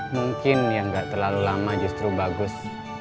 mungkin yang gak terlalu lama justru bagus